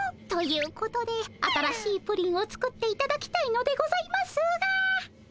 ということで新しいプリンを作っていただきたいのでございますが。